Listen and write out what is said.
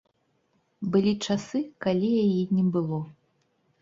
Былі часы, калі яе не было.